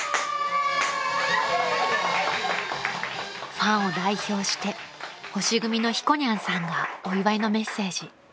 ［ファンを代表して星組のひこにゃんさんがお祝いのメッセージ］